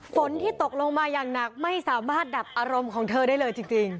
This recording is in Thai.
ฝนที่ตกลงมาอย่างหนักไม่สามารถดับอารมณ์ของเธอได้เลยจริง